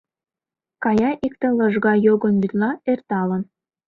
Кая икте лыжга йогын вӱдла эрталын.